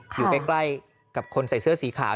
อยู่ใกล้กับคนใส่เสื้อสีขาว